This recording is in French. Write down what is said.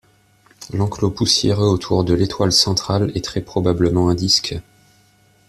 L'enclos poussiéreux autour de l'étoile centrale est très probablement un disque.